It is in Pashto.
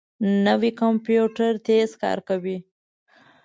نوی کمپیوټر تېز کار کوي